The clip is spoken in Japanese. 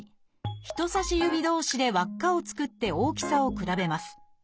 人さし指同士で輪っかを作って大きさを比べます。